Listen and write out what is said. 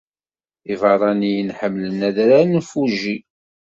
Ibeṛṛaniyen ḥemmlen Adrar n Fuji.